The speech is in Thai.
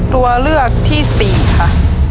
ตัวเลือกที่๔ค่ะ